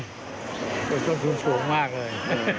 ต้นทุนสูงมากเลย